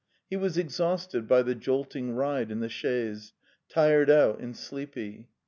He was exhausted by the jolting ride in the chaise, tired out and sleepy.